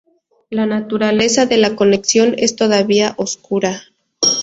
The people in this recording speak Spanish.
La naturaleza de la conexión es todavía oscura.